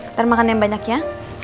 kita makan yang banyak ya